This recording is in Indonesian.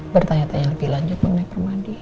bertanya tanya lebih lanjut mengenai permadi